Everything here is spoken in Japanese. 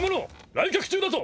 来客中だぞ！